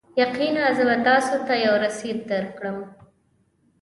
یقینا، زه به تاسو ته یو رسید درکړم.